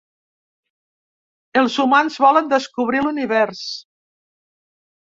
Els humans volen descobrir l’univers.